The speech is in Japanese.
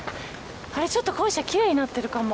あれちょっと校舎きれいになってるかも。